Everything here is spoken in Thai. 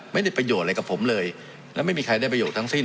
ไม่ได้ประโยชน์อะไรกับผมเลยและไม่มีใครได้ประโยชน์ทั้งสิ้น